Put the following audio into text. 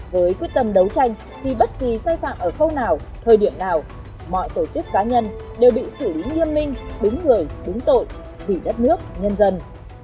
với quyết tâm đấu tranh thì bất kỳ sai phạm ở khâu nào thời điểm nào mọi tổ chức cá nhân đều bị xử lý nghiêm minh đúng người đúng tội vì đất nước nhân dân